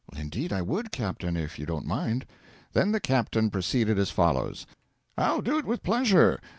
'Indeed, I would, captain, if you don't mind.' Then the captain proceeded as follows: 'I'll do it with pleasure.